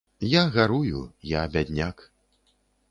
Я гарую, я бядняк.